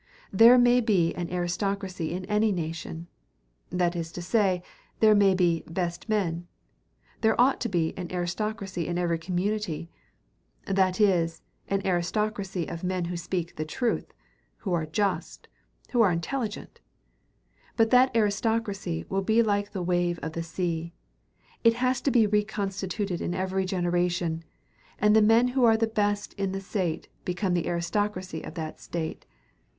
There may be an aristocracy in any nation, that is to say, there may be "best men"; there ought to be an aristocracy in every community, that is, an aristocracy of men who speak the truth, who are just, who are intelligent: but that aristocracy will be like a wave of the sea; it has to be reconstituted in every generation, and the men who are the best in the State become the aristocracy of that State.